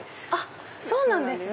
そうなんですね！